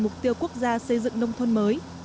mục tiêu quốc gia xây dựng nông thôn mới